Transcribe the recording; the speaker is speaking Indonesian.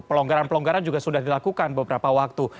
pelonggaran pelonggaran juga sudah dilakukan beberapa waktu